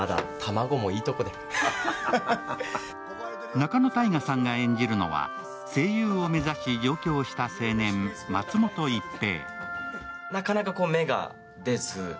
仲野太賀さんが演じるのは声優を目指し上京した青年、松本逸平。